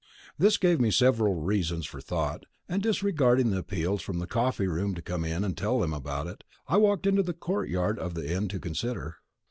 This gave me several reasons for thought, and disregarding the appeals from the coffee room to come in and tell them all about it, I walked into the courtyard of the Inn to consider.